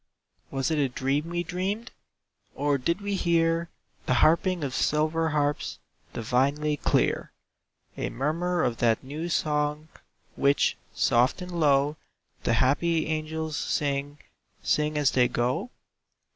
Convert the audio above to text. Was it a dream we dreamed, Or did we hear The harping of silver harps, Divinely clear? A murmur of that "new song," Which, soft and low, The happy angels sing, Sing as they go?